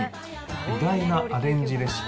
意外なアレンジレシピ